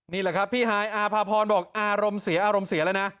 นี่แหละครับพี่ฮายอาภาพรบอกอารมณ์เสียอารมณ์เสียแล้วนะ